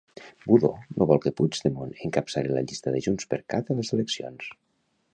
Budó no vol que Puigdemont encapçali la llista de JxCat a les eleccions.